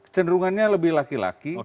cenderungannya lebih laki laki